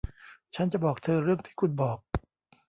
ฉันจะบอกเธอเรื่องที่คุณบอก